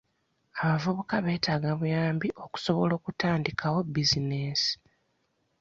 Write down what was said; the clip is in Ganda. Abavubuka beetaaga obuyambi okusobola okutandikawo bizinensi.